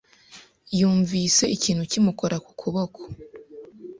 Yumvise ikintu kimukora ku kuboko.